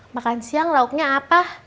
makan siang lauknya apa